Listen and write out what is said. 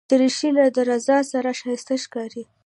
دریشي له درز سره ښایسته ښکاري.